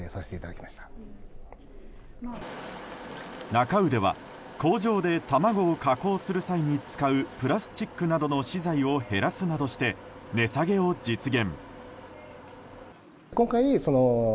なか卯では工場で卵を加工する際に使うプラスチックなどの資材を減らすなどして、値下げを実現。